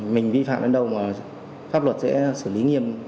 mình vi phạm đến đâu mà pháp luật sẽ xử lý nghiêm